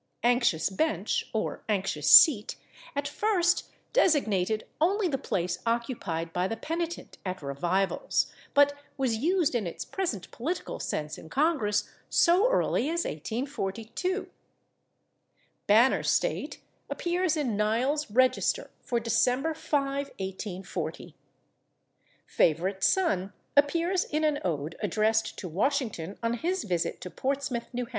/Anxious bench/ (or /anxious seat/) at first designated only the place occupied by the penitent at revivals, but was used in its present political sense in Congress so early as 1842. /Banner state/ appears in /Niles' Register/ for December 5, 1840. /Favorite son/ appears in an ode addressed to Washington on his visit to Portsmouth, N. H.